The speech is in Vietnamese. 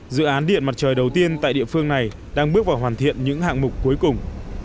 dự án điện mặt trời đầu tiên tại địa phương này đang bước vào hoàn thiện những hạng mục cuối cùng